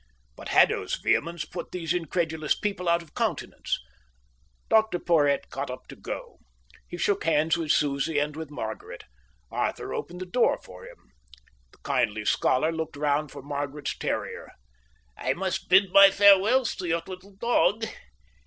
But Haddo's vehemence put these incredulous people out of countenance. Dr Porhoët got up to go. He shook hands with Susie and with Margaret. Arthur opened the door for him. The kindly scholar looked round for Margaret's terrier… "I must bid my farewells to your little dog."